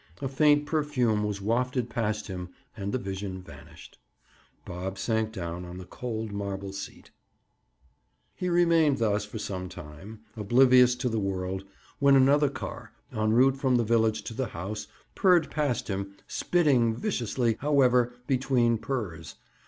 A faint perfume was wafted past him and the vision vanished. Bob sank down on the cold marble seat. He remained thus for some time, oblivious to the world, when another car, en route from the village to the house, purred past him, spitting viciously, however, between purrs.